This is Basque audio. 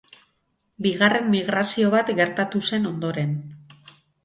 Bigarren migrazio bat gertatu zen ondoren.